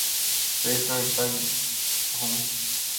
تو اس کا حصہ ہوں۔